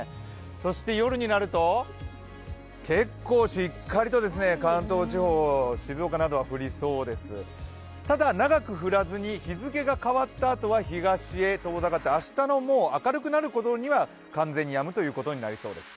そして夜になると結構しっかりと関東地方、静岡などは降りそうですただ、長く降らずに、日付が変わったあとは東へ遠ざかって明日の明るくなるころには、完全にやむということになりそうです